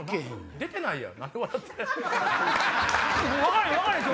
出てないやん。